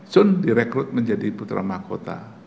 sun direkrut menjadi putra mahkota